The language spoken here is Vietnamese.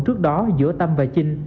trước đó giữa tâm và chinh